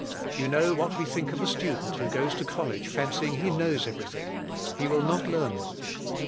You know what we thinkof a student who goes to college fan cying he knows everything. He will not learn much.